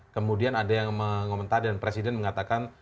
kemudian ada yang mengomentari dan presiden mengatakan